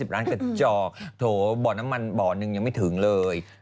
ร้านกระจอกโถบ่อน้ำมันบ่อนึงยังไม่ถึงเลย